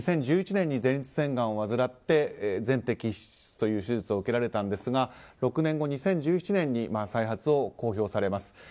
２０１１年に前立腺がんを患って全摘出という手術を受けられたんですが６年後の２０１７年に再発を公表されます。